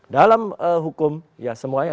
dalam hukum ya semuanya